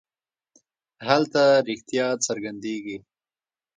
هلته رښتیا څرګندېږي.